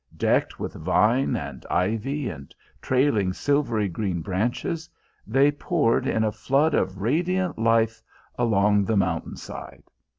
Decked with vine and ivy, and trailing silvery green branches, they poured in a flood of radiant life along the mountain side.